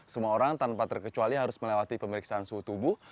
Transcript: semua orang tanpa terkecuali harus melewati pemeriksaan suhu tubuh